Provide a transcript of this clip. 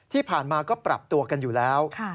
ที่ผ่านมาก็ปรับตัวกันอยู่แล้ว